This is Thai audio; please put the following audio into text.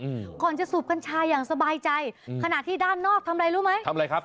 อืมก่อนจะสูบกัญชาอย่างสบายใจอืมขณะที่ด้านนอกทำอะไรรู้ไหมทำอะไรครับ